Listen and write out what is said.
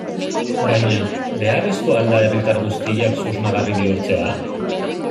Baina, beharrezkoa al da herritar guztiak susmagarri bihurtzea?